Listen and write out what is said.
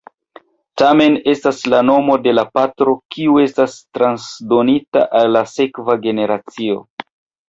Tamen estas la nomo de la patro kiu estas transdonita al la sekva generacio.